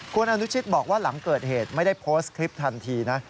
คุณอนุชิตบอกว่าหลังเกิดเหตุไม่ได้โพสต์คลิปทันทีนะ